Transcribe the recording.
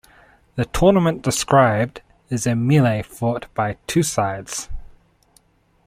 The tournament described is a melee fought by two sides.